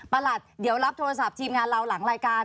หลัดเดี๋ยวรับโทรศัพท์ทีมงานเราหลังรายการ